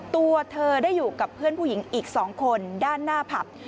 ตัวเธอได้อยู่กับเพื่อนผู้หญิงอีก๒คนด้านหน้าผับ